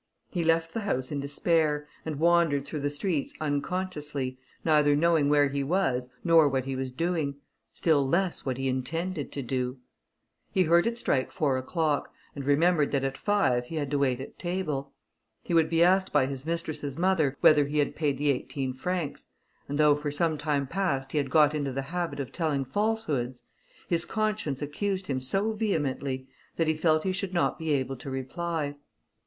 He left the house in despair, and wandered through the streets unconsciously, neither knowing where he was, nor what he was doing, still less what he intended to do. He heard it strike four o'clock, and remembered that at five he had to wait at table. He would be asked by his mistress's mother whether he had paid the eighteen francs, and though for some time past he had got into the habit of telling falsehoods, his conscience accused him so vehemently, that he felt he should not be able to reply.